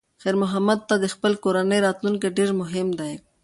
خیر محمد ته د خپلې کورنۍ راتلونکی ډېر مهم دی.